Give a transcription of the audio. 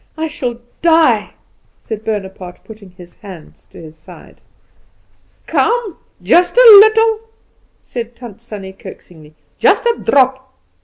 I shall die!" said Bonaparte, putting his hands to his side. "Come, just a little," said Tant Sannie coaxingly; "just a drop."